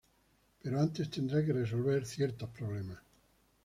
Pero antes tendrá que resolver ciertos problemas.